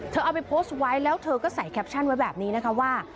เอาไปโพสต์ไว้แล้วเธอก็ใส่แคปชั่นไว้แบบนี้นะคะว่า